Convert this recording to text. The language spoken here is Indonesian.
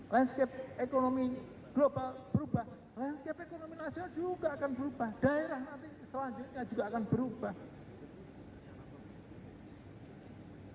landscape ekonomi global berubah landscape ekonomi nasional juga akan berubah daerah nanti selanjutnya juga akan berubah